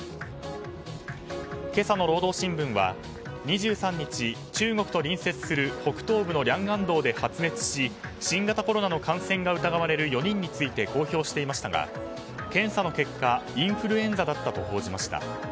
今朝の労働新聞は２３日、中国と隣接する北東部のリャンガン道で発熱し新型コロナの感染が疑われる４人について公表していましたが検査の結果インフルエンザだったと報じました。